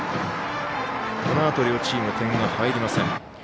このあと両チーム点が入りません。